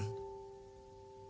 dan bagaimana harimu